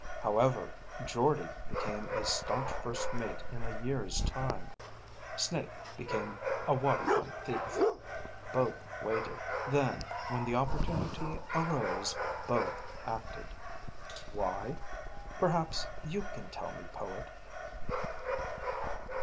However, Jordde became a staunch first mate in a year's time. Snake became a waterfront thief. Both waited. Then, when the opportunity arose, both acted. Why? Perhaps you can tell me, poet."